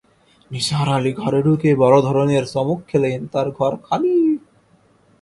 নিসার আলি ঘরে ঢুকে বড় ধরনের চমক খেলেন-তাঁর ঘর খালি।